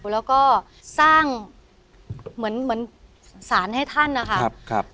แล้วก็สร้างเหมือนเหมือนศาลให้ท่านนะคะครับครับ